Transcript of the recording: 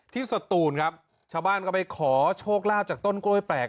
สตูนครับชาวบ้านก็ไปขอโชคลาภจากต้นกล้วยแปลก